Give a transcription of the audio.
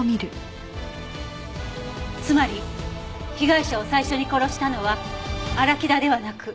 つまり被害者を最初に殺したのは荒木田ではなく。